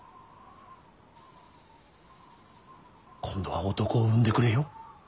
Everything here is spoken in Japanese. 今度は男を産んでくれよ。